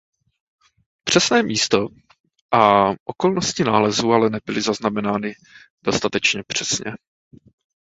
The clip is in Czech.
Přesné místo a okolnosti nálezu ale nebyly zaznamenány dostatečně přesně.